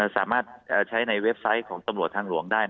สามารถใช้ในเว็บไซต์ของตำรวจทางหลวงได้